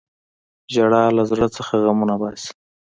• ژړا له زړه څخه غمونه باسي.